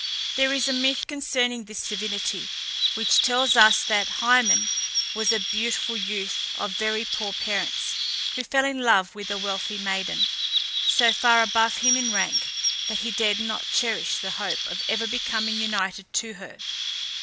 There is a myth concerning this divinity, which tells us that Hymen was a beautiful youth of very poor parents, who fell in love with a wealthy maiden, so far above him in rank, that he dared not cherish the hope of ever becoming united to her.